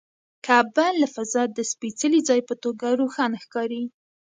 کعبه له فضا د سپېڅلي ځای په توګه روښانه ښکاري.